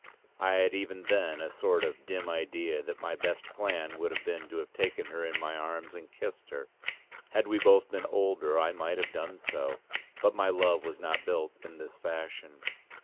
I had even then a sort of dim idea that my best plan would have been to have taken her in my arms and kissed her. Had we both been older I might have done so; but my love was not built in this fashion.